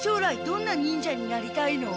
どんな忍者になりたいの？